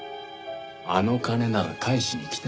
あの金なら返しに来たよ。